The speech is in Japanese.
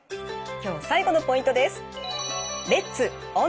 今日最後のポイントです。